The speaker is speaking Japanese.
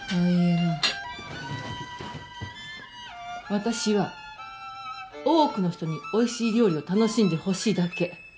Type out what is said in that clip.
私は多くの人においしい料理を楽しんでほしいだけ。